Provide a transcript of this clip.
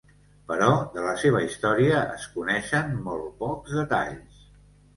Però de la seva història es coneixen molt pocs detalls.